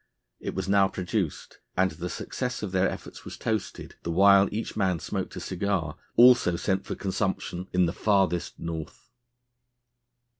It was now produced, and the success of their efforts was toasted, the while each man smoked a cigar, also sent for consumption in the "farthest North."